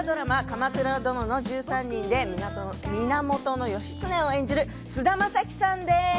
「鎌倉殿の１３人」で源義経を演じる菅田将暉さんです。